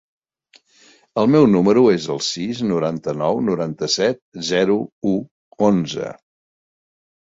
El meu número es el sis, noranta-nou, noranta-set, zero, u, onze.